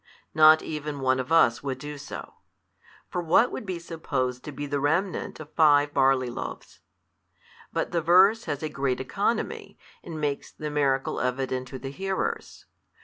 not even one of us would do so: for what would be supposed to be the remnant of five barley loaves? But the verse has a great economy, and makes the miracle evident to the hearers.